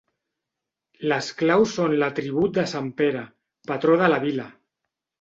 Les claus són l'atribut de sant Pere, patró de la vila.